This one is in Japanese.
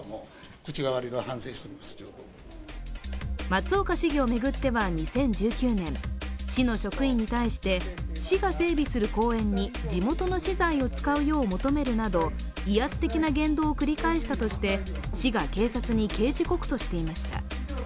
松岡市議を巡っては２０１９年市の職員に対して市が整備する公園に地元の資材を使うよう求めるなど威圧的な言動を繰り返したとして市が警察に刑事告訴していました。